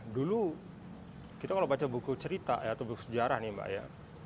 dulu kita kalau baca buku cerita ya atau buku sejarah nih mbak ya